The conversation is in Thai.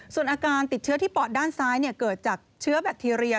ส่วนอาการติดเชื้อที่ปอดด้านซ้ายเกิดจากเชื้อแบคทีเรีย